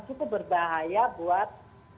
cukup berbahaya buat